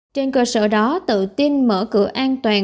trên cơ sở đó tự tin mở cửa an toàn